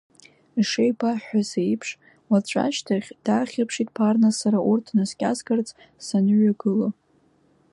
Ишеибаҳҳәаз еиԥш, уаҵәашьҭахь, даахьаԥшит Ԥарна сара урҭ наскьазгарц саныҩагыла.